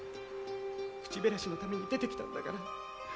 口減らしのために出てきたんだから。